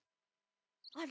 あれ？